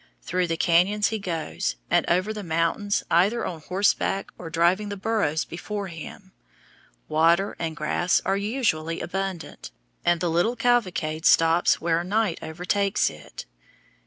Through the cañons he goes, and over the mountains, either on horseback or driving the burros before him. Water and grass are usually abundant, and the little cavalcade stops where night overtakes it.